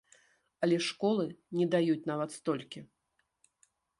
Але школы не даюць нават столькі.